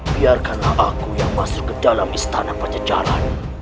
biarkanlah aku yang masuk ke dalam istana pajajaran